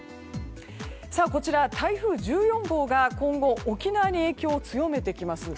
こちら、台風１４号が今後、沖縄に影響を強めてきます。